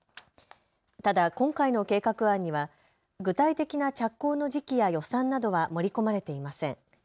ただ今回の計画案には具体的な着工の時期や予算などは盛り込まれていません。